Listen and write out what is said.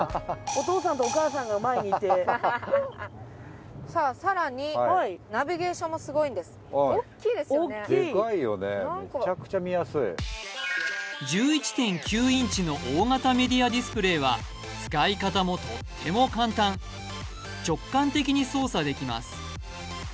お父さんとお母さんが前にいてさあさらに大きいでかいよね１１．９インチの大型メディアディスプレイは使い方もとっても簡単直感的に操作できます